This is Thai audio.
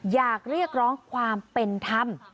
อยากเรียกร้องความเป็นธรรม